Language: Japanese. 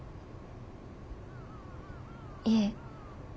いえ。